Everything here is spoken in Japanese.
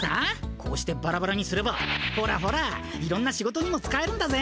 こうしてバラバラにすればほらほらいろんな仕事にも使えるんだぜ。